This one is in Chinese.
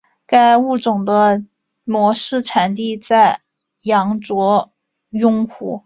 该物种的模式产地在羊卓雍湖。